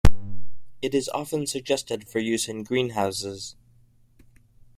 It is often suggested for use in greenhouses.